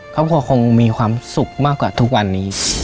เขาก็คงมีความสุขมากกว่าทุกวันนี้